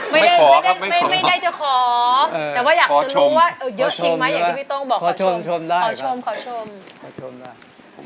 ไม่ได้จะขอแต่อยากจะรู้ว่าเยอะจริงไหมอย่างที่พี่ต้องบอกขอชมได้ครับ